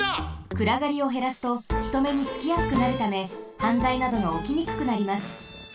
くらがりをへらすとひとめにつきやすくなるためはんざいなどがおきにくくなります。